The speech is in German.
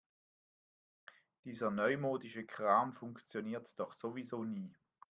Dieser neumodische Kram funktioniert doch sowieso nie.